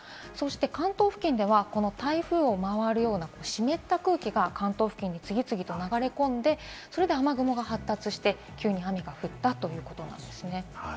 関東付近では台風を回るような、湿った空気が関東付近に次々と流れ込んで、それで雨雲が発達して、急に雨が降ったということなんです。